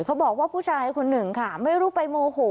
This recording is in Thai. เขาบอกว่าผู้ชายคนหนึ่งค่ะไม่รู้ไปโมโห